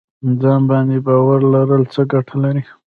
ځان باندې باور لرل څه ګټه لري؟